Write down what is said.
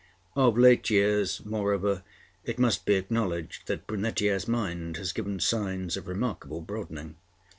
Of late years, moreover, it must be acknowledged that Brunetière's mind has given signs of remarkable broadening.